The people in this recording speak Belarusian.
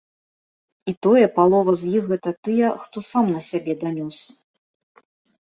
І тое, палова з іх гэта тыя, хто сам на сябе данёс.